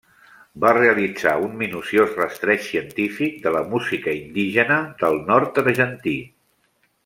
Va realitzar un minuciós rastreig científic de la música indígena del nord argentí.